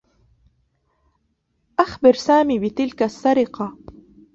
أخبر سامي بتلك السّرقة.